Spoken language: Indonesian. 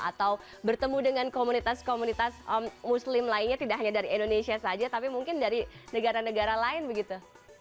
atau bertemu dengan komunitas komunitas muslim lainnya tidak hanya dari indonesia saja tapi mungkin dari negara negara lain begitu